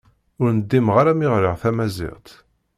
Ur ndimeɣ ara mi ɣriɣ tamaziɣt.